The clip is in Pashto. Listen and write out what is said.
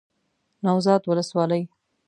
نوزاد ولسوالۍ